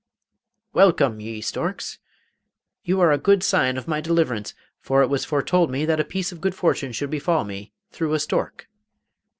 'Welcome, ye storks! You are a good sign of my deliverance, for it was foretold me that a piece of good fortune should befall me through a stork.